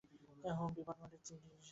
জ্বি, হোম ডিপার্টমেন্টের চিঠি আছে।